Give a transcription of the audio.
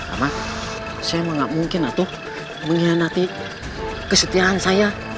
amah saya mah gak mungkin atuh mengkhianati kesetiaan saya